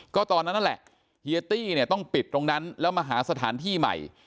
ก็ตอนนั้นนั่นแหละเฮียตี้เนี่ยต้องปิดตรงนั้นแล้วมาหาสถานที่ใหม่